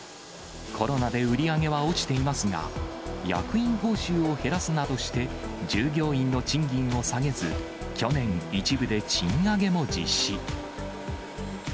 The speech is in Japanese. コロナで売り上げは落ちていますが、役員報酬を減らすなどして、従業員の賃金を下げず、去年、一部で賃上げも実施。